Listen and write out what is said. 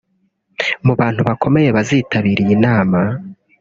Mu bantu bakomeye bazitabira iyi nama